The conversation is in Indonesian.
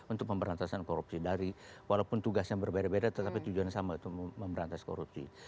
untuk pemberantasan korupsi dari walaupun tugasnya berbeda beda tetapi tujuannya sama itu memberantas korupsi